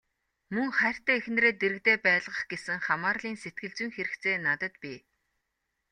Мөн хайртай эхнэрээ дэргэдээ байлгах гэсэн хамаарлын сэтгэлзүйн хэрэгцээ надад бий.